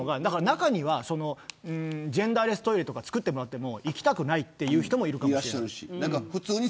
中にはジェンダーレストイレとか造っても行きたくないという人もいるかもしれない。